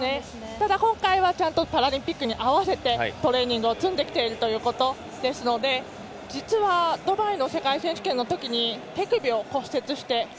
ただ今回はパラリンピックに合わせてトレーニングを積んできているということですので実はドバイの世界選手権のときに手首を骨折して。